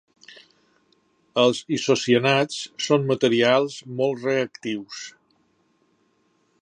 Els isocianats són materials molt reactius.